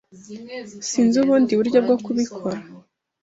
Sinzi ubundi buryo bwo kubikora.